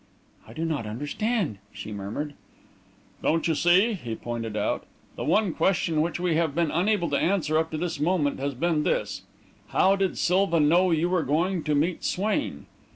"I do not understand," she murmured. "Don't you see," he pointed out, "the one question which we have been unable to answer up to this moment has been this: how did Silva know you were going to meet Swain?